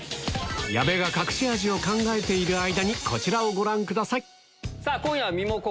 矢部が隠し味を考えている間にこちらをご覧ください